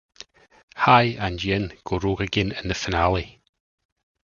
Hei and Yin go rogue again in the finale.